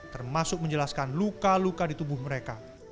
termasuk menjelaskan luka luka di tubuh mereka